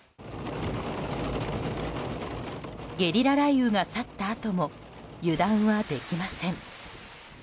ゲリラ雷雨が去ったあとも油断はできません。